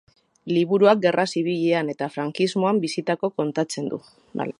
Liburuak gerra zibilean eta frankismoan bizitakoa kontatzen du.